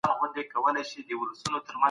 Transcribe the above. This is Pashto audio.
کیدای شي په زړو جامو کې یو لوی انسان وي.